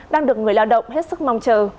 đang được người lao động hết sức mong chờ